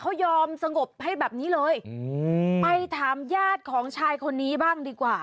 เขายอมสงบให้แบบนี้เลยอืมไปถามญาติของชายคนนี้บ้างดีกว่า